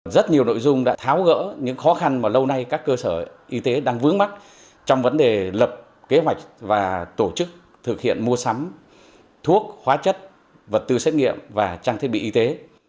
rất nhiều nội dung đã tháo gỡ những khó khăn mà lâu nay các cơ sở y tế đang vướng mắt trong vấn đề lập kế hoạch và tổ chức thực hiện mua sắm thuốc hóa chất vật tư xét nghiệm và trang thiết bị y tế